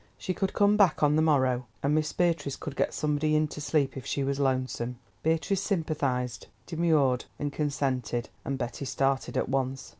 She could come back on the morrow, and Miss Beatrice could get somebody in to sleep if she was lonesome. Beatrice sympathised, demurred, and consented, and Betty started at once.